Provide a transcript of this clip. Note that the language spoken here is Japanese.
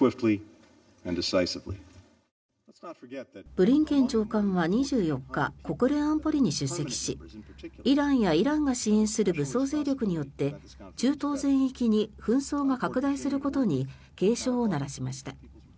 ブリンケン長官は２４日国連安保理に出席しイランや、イランが支援する武装勢力によって中東全域に紛争が拡大することに警鐘を鳴らしました。